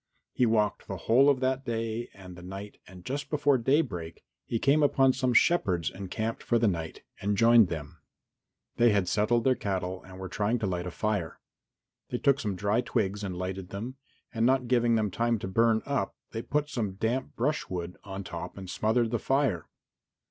He walked the whole of that day and the night and just before daybreak he came upon some shepherds encamped for the night, and joined them. They had settled their cattle and were trying to light a fire. They took some dry twigs and lighted them, and not giving them time to burn up, they put some damp brushwood on top and smothered the fire.